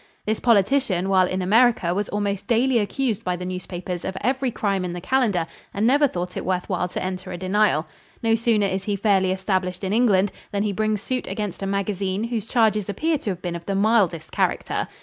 This politician while in America was almost daily accused by the newspapers of every crime in the calendar and never thought it worth while to enter a denial. No sooner is he fairly established in England than he brings suit against a magazine whose charges appear to have been of the mildest character.